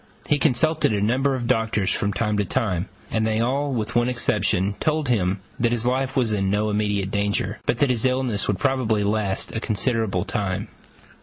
He consulted a number of doctors from time to time, and they all, with one exception, told him that his life was in no immediate danger, but that his illness would probably last a considerable time.